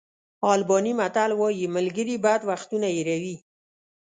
آلباني متل وایي ملګري بد وختونه هېروي.